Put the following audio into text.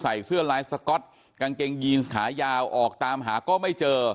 เสื้อลายสก๊อตกางเกงยีนขายาวออกตามหาก็ไม่เจอ